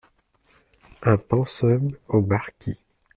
Un pensum, au marquis !…